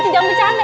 tidak mau bercanda